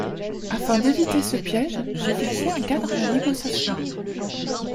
Afin d’éviter ce piège, j’ai fixé un cadre à la négociation.